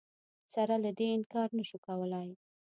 سره له دې انکار نه شو کولای